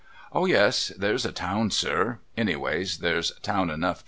' Oh yes, there's a town, sir ! Anyways, there's town enough to